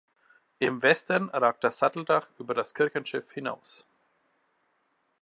Im Westen ragt das Satteldach über das Kirchenschiff hinaus.